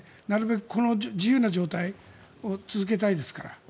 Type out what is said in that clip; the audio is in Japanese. なるべくこの自由な状態を続けたいですから。